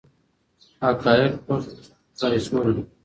حقایق پټ کړای سول.